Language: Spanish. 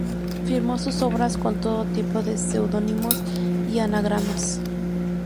Firmó sus obras con todo tipo de seudónimos y anagramas.